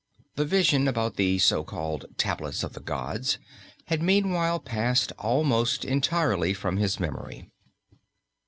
The vision about the so called Tablets of the Gods had meanwhile passed almost entirely from his memory.